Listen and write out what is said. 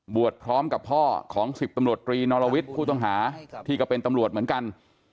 บวชพร้อมกับพ่อ๑๐ตำรวจปรีนอโลวิชครูธังหาที่จะเป็นตำรวจเหมือนกัน